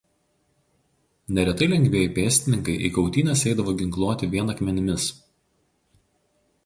Neretai lengvieji pėstininkai į kautynes eidavo ginkluoti vien akmenimis.